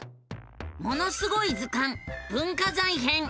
「ものすごい図鑑文化財編」！